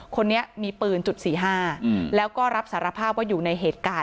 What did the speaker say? คนนี้มีปืนจุด๔๕แล้วก็รับสารภาพว่าอยู่ในเหตุการณ์